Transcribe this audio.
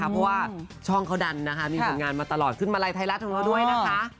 เพราะว่าช่องเขาดันนะคะมีผลงานมาตลอดขึ้นมาลัยไทยรัฐของเราด้วยนะคะ